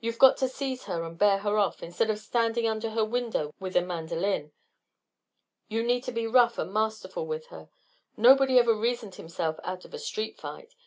You've got to seize her and bear her off, instead of standing under her window with a mandolin. You need to be rough and masterful with her. Nobody ever reasoned himself out of a street fight.